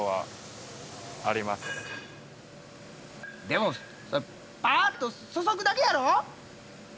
でもパっと注ぐだけやろ！？